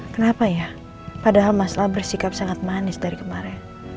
kenapa ya padahal masalah bersikap sangat manis dari kemarin